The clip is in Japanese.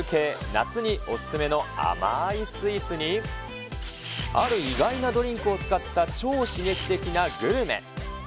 夏にお勧めの甘いスイーツに、ある意外なドリンクを使った超刺激的なグルメ。